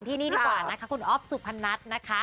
ที่นี่ดีกว่านะคะคุณอ๊อฟสุพนัทนะคะ